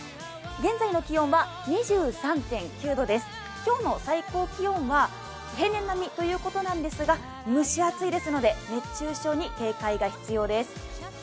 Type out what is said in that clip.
現在の気温は２３．９度です、今日の最高気温は平年並みということなんですが蒸し暑いですので、熱中症に警戒が必要です。